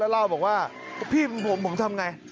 แล้วเล่าบอกว่าพี่เป็นผมผมทำยังไง